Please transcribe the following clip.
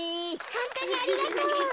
ホントにありがとう。